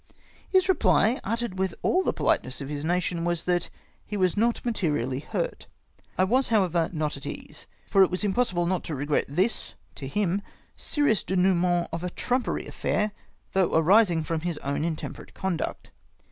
His reply — uttered with all the politeness of his nation — was, that "he was not mate rially hurt." I, however, was not at ease, for it was impossible not to regret this, to him, serious denoue ment of a trumpery affair, though arising from his own intemperate conduct.